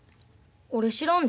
俺知らんで。